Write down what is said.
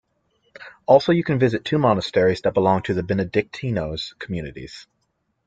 Also you can visit two monasteries, that belong to the "Benedictinos" Communities.